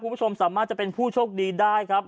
คุณผู้ชมสามารถจะเป็นผู้โชคดีได้ครับ